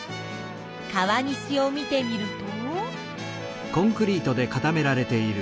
川岸を見てみると。